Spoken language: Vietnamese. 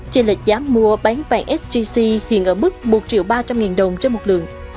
trên lệch giá mua bán vàng sgc hiện ở mức một ba trăm linh đồng trên một lượng